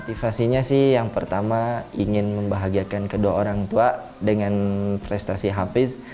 motivasinya sih yang pertama ingin membahagiakan kedua orang tua dengan prestasi hafiz